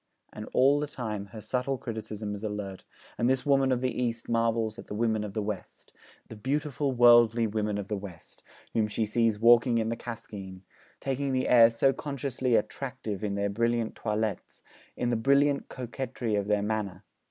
And, all the time, her subtle criticism is alert, and this woman of the East marvels at the women of the West, 'the beautiful worldly women of the West,' whom she sees walking in the Cascine, 'taking the air so consciously attractive in their brilliant toilettes, in the brilliant coquetry of their manner!'